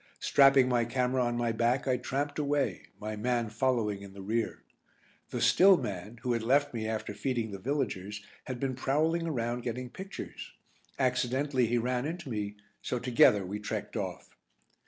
Strapping my camera on my back I tramped away, my man following in the rear. The "still" man, who had left me after feeding the villagers, had been prowling around getting pictures. Accidentally he ran into me, so together we trekked off.